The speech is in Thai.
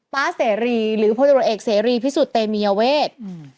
๊าเสรีหรือพลตรวจเอกเสรีพิสุทธิ์เตมียเวทอืม